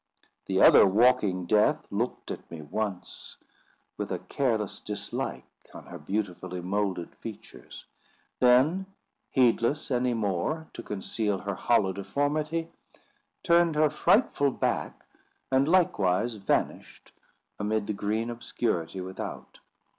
The other walking Death looked at me once, with a careless dislike on her beautifully moulded features; then, heedless any more to conceal her hollow deformity, turned her frightful back and likewise vanished amid the green obscurity without.